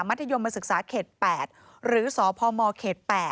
ธยมศึกษาเขต๘หรือสพมเขต๘